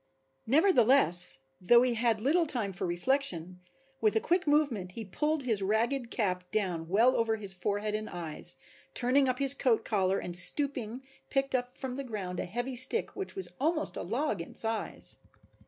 Nevertheless, though he had little time for reflection, with a quick movement he pulled his ragged cap down well over his forehead and eyes, turned up his coat collar and stooping picked up from the ground a heavy stick which was almost a log in size.